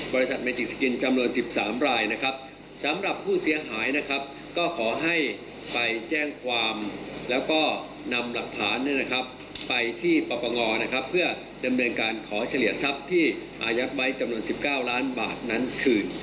เพื่อจำเนินการขอเฉลี่ยทรัพย์ที่อายุไม้จำนวน๑๙ล้านบาทนั้นคืน